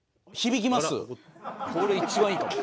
これ一番いいかも。